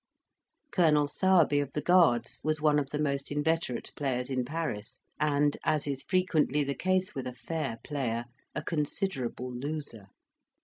Col. Sowerby, of the Guards, was one of the most inveterate players in Paris; and, as is frequently the case with a fair player, a considerable loser.